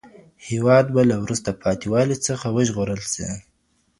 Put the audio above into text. هیواد به له وروسته پاته والي څخه وژغورل سي.